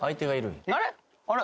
あれ？